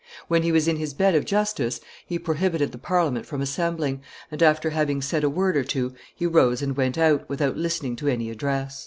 When he was in his bed of justice, he prohibited the Parliament from assembling, and, after having said a word or two, he rose and went out, without listening to any address."